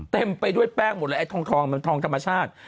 เต็มไปด้วยแป้งหมดเลยไอ้ทองมันทองธรรมชาติ